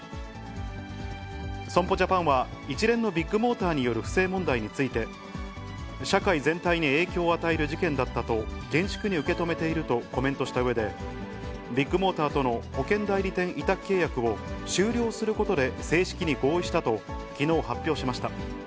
損保ジャパンは、一連のビッグモーターによる不正問題について、社会全体に影響を与える事件だったと、厳粛に受け止めているとコメントしたうえで、ビッグモーターとの保険代理店委託契約を終了することで正式に合意したと、きのう発表しました。